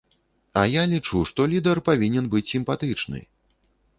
А я лічу, што лідар павінен быць сімпатычны.